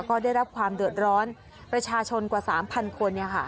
ก็ได้รับความเดือดร้อนประชาชนกว่าสามพันคนเนี่ยค่ะ